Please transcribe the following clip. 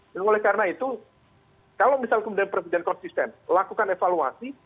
dan oleh karena itu kalau misal kemudian presiden konsisten lakukan evaluasi